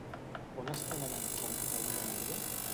On es tenen en compte avui en dia?